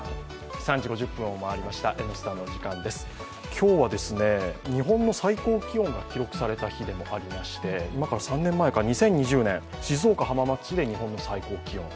今日は日本の最高気温が記録された日でもありまして今から３年前の２０２０年に静岡の浜松市で日本の最高気温。